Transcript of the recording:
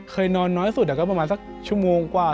เคยนอนน้อยสุดประมาณสักชั่วโมงกว่า๒ชั่วโมงก็ตื่นมาแล้ว